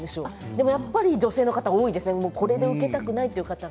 でもやっぱり女性の方多いですよね、これ受けたくないという方。